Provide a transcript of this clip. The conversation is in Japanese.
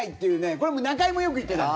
これ、中居もよく言ってた。